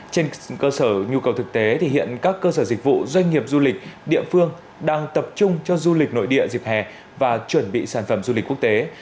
trên cơ sở nhu cầu thực tế thì hiện các cơ sở dịch vụ doanh nghiệp du lịch địa phương đang tập trung cho du lịch nội địa dịp hè và chuẩn bị sản phẩm du lịch quốc tế